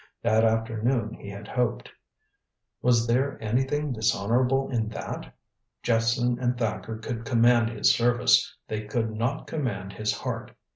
That afternoon he had hoped. Was there anything dishonorable in that? Jephson and Thacker could command his service, they could not command his heart.